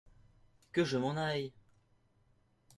Que je m’en aille !…